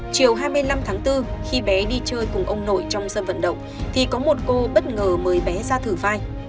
chiều hai mươi năm tháng bốn khi bé đi chơi cùng ông nội trong sân vận động thì có một cô bất ngờ mới bé ra thử vai